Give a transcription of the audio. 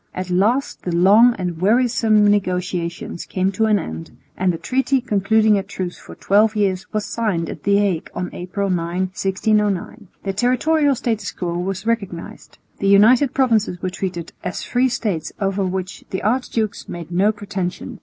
At last the long and wearisome negotiations came to an end, and the treaty concluding a truce for twelve years was signed at the Hague on April 9,1609. The territorial status quo was recognised. The United Provinces were treated "as free States over which the archdukes made no pretensions."